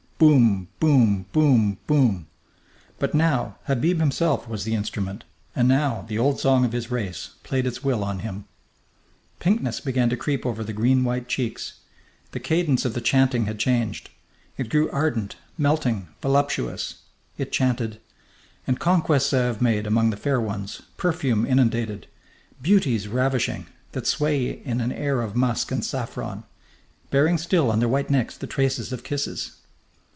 "Boom boom boom boom " But now Habib himself was the instrument, and now the old song of his race played its will on him. Pinkness began to creep over the green white cheeks. The cadence of the chanting had changed. It grew ardent, melting, voluptuous. _... And conquests I have made among the fair ones, perfume inundated, Beauties ravishing; that sway in an air of musk and saffron, Bearing still on their white necks the traces of kisses....